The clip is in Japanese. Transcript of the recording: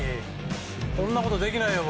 こんなことできないよ